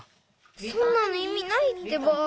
そんなのいみないってば。